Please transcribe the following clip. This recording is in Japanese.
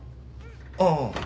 ああ。